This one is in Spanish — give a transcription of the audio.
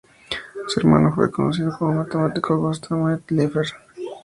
Su hermano fue el conocido matemático Gösta Mittag-Leffler.